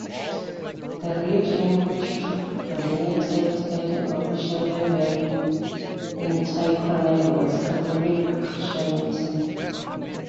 The religion which predominated at an official level in Tyrconnell was Catholic Christianity.